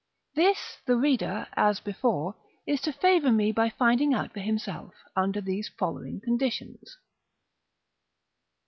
This the reader, as before, is to favor me by finding out for himself, under these following conditions.